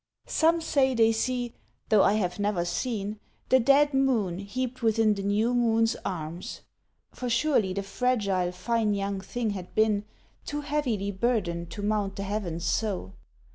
Some say they see, though I have never seen, The dead moon heaped within the new moon's arms; For surely the fragile, fine young thing had been Too heavily burdened to mount the heavens so.